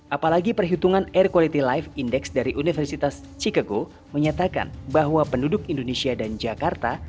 apalagi perhitungan air quality life index dari universitas chicago menyatakan bahwa penduduk indonesia dan jakarta